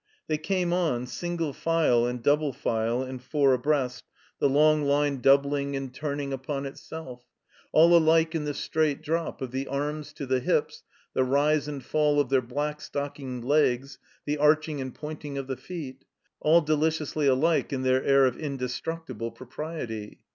Thej came on, single file and double file and four abreast, the long line doubling and txuning upon 2 II ^ THE COMBINED MAZE itself; all alik^ in the straight drop of the arms to the hips, the rise and fall of their black stockinged legs, the arching and pointing of the feet; all de lidously alike in their air of indestructible propriety.